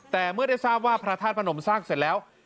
แต่เมื่อได้ทราบว่าพระธาตุพนมสร้างเสร็จแล้ว